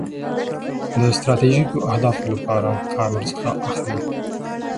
د ستراتیژیکو اهدافو لپاره کار ورڅخه اخلي.